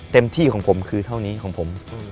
เต็มที่ของผมคือเท่านี้ของผม